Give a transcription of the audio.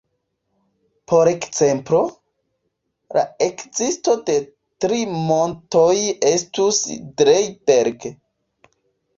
Por ekzemplo, la ekzisto de tri montoj estus Drei-Berg-.